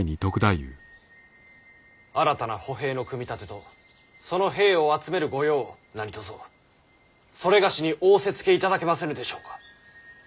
新たな歩兵の組み立てとその兵を集める御用を何とぞ某に仰せつけいただけませぬでしょうか。